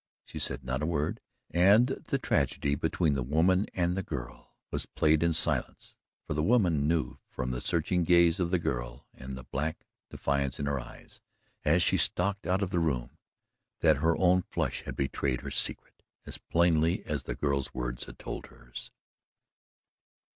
She said not a word, and the tragedy between the woman and the girl was played in silence, for the woman knew from the searching gaze of the girl and the black defiance in her eyes, as she stalked out of the room, that her own flush had betrayed her secret as plainly as the girl's words had told hers.